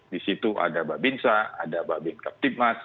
disitu ada babinsa ada babin kaptif mas